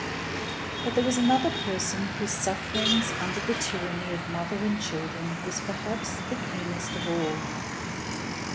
But there was another person whose sufferings under the tyranny of mother and children were perhaps keenest of all.